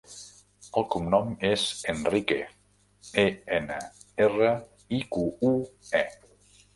El cognom és Enrique: e, ena, erra, i, cu, u, e.